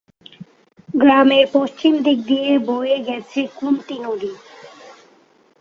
গ্রামের পশ্চিম দিক দিয়ে বয়ে গেছে কুন্তী নদী।